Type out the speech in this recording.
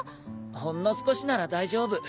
ほんの少しなら大丈夫。